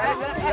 ini udah usah